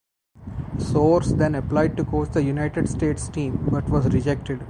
Soares then applied to coach the United States team, but was rejected.